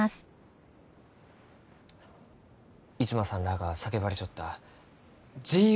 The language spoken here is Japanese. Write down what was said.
逸馬さんらあが叫ばれちょった「自由」